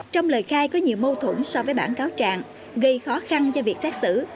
trong lời khai có nhiều mâu thuẫn so với bản cáo trạng gây khó khăn cho việc xét xử